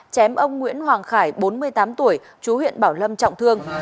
chém ông nguyễn hoàng khải bốn mươi tám tuổi chú huyện bảo lâm trọng thương